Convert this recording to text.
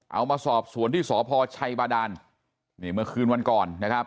เอามาสอบสวนที่สพชัยบาดานนี่เมื่อคืนวันก่อนนะครับ